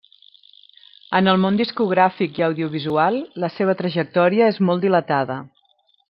En el món discogràfic i audiovisual, la seva trajectòria és molt dilatada.